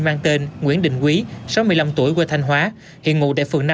mang tên nguyễn đình quý sáu mươi năm tuổi quê thanh hóa hiện ngụ tại phường năm